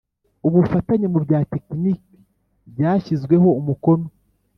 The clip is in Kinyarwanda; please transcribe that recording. ubufatanye mu bya tekiniki byashyizweho umukono